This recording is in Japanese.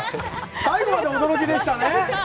最後まで驚きでしたね。